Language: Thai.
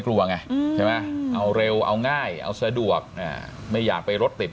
กลัวไงใช่ไหมเอาเร็วเอาง่ายเอาสะดวกไม่อยากไปรถติด